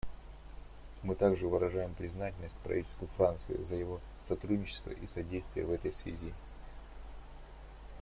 Мы также выражаем признательность правительству Франции за его сотрудничество и содействие в этой связи.